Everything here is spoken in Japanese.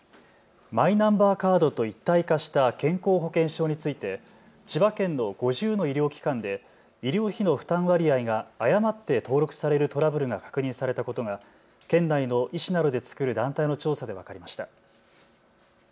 マイナンバーカードと一体化した健康保険証について千葉県の５０の医療機関で医療費の負担割合が誤って登録されるトラブルが確認されたことが県内の医師などで作る団体の調査で分かりました。